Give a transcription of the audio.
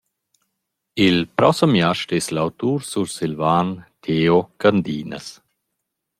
Il prossem giast es l’autur sursilvan Theo Candinas.